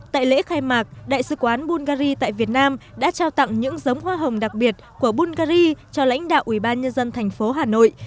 tại lễ khai mạc đại sứ quán bungary tại việt nam đã trao tặng những giống hoa hồng đặc biệt của bungary cho lãnh đạo ủy ban nhân dân thành phố hà nội